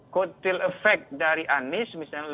kotil efek dari anies misalnya lebih tinggi